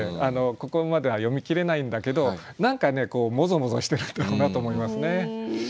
ここまでは読みきれないんだけど何かモゾモゾしてるんだろうなと思いますね。